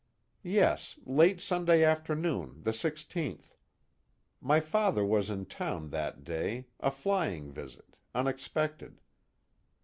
"Yes, late Sunday afternoon, the 16th. My father was in town that day, a flying visit, unexpected.